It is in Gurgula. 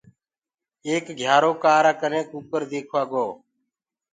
ايڪ گھيآرو ڪآرآ ڪني ڪٚڪَر ديکوآ گو۔